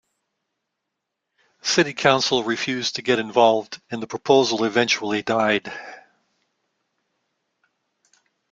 City council refused to get involved and the proposal eventually died.